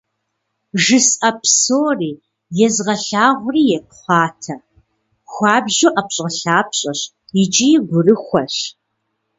ЖысӀэ псори, езгъэлъагъури епхъуатэ, хуабжьу ӏэпщӏэлъапщӏэщ икӏи гурыхуэщ.